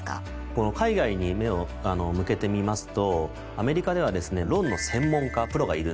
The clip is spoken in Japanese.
海外に目を向けてみますとアメリカではですねローンの専門家プロがいるんですね。